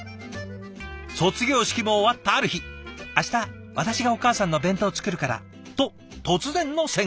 卒業式も終わったある日「明日私がお母さんの弁当作るから」と突然の宣言。